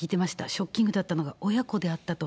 ショッキングだったのが親子であったと。